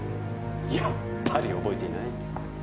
やっぱり覚えていない。